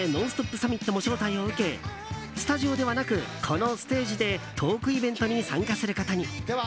サミットも招待を受けスタジオではなくこのステージでトークイベントに参加することに。